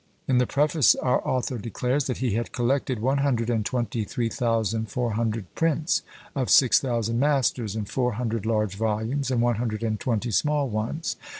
In the preface our author declares, that he had collected one hundred and twenty three thousand four hundred prints, of six thousand masters, in four hundred large volumes, and one hundred and twenty small ones.